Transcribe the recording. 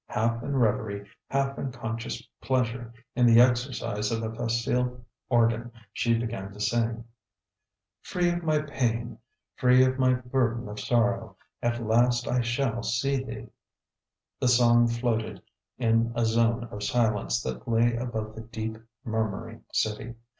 Half in reverie, half in conscious pleasure in the exercise of a facile organ, she began to sing: "Free of my pain, free of my burden of sorrow, At last I shall see thee " The song floated in a zone of silence that lay above the deep murmuring city.